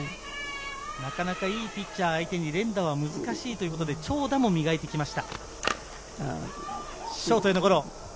なかなかいいピッチャー相手に連打は難しいということで長打を磨いてきました。